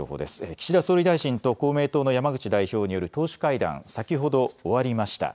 岸田総理大臣と公明党の山口代表による党首会談、先ほど終わりました。